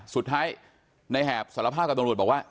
สุดท้ายในแหบสารภาพกับตำรวจบอกว่า